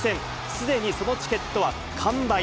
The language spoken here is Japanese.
すでにそのチケットは完売。